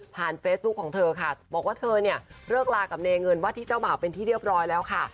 เฟซบุ๊คของเธอค่ะบอกว่าเธอเนี่ยเลิกลากับเนเงินว่าที่เจ้าบ่าวเป็นที่เรียบร้อยแล้วค่ะ